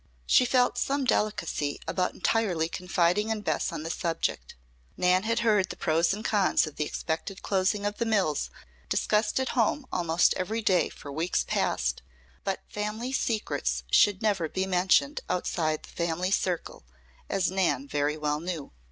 She felt some delicacy about entirely confiding in Bess on the subject. Nan had heard the pros and cons of the expected closing of the mills discussed at home almost every day for weeks past; but family secrets should never be mentioned outside the family circle, as Nan very well knew.